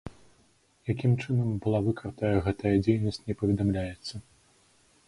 Якім чынам была выкрытая гэтая дзейнасць, не паведамляецца.